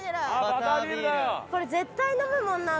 これ絶対飲むもんな